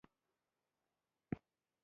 که یو هېواد بل ته یو میلیون افغانۍ ورکړي